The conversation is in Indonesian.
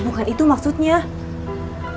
bapaknya gak mau nyanyi